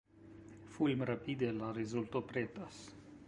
Fulmrapide la rezulto pretas.